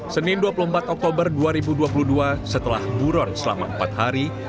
senin dua puluh empat oktober dua ribu dua puluh dua setelah buron selama empat hari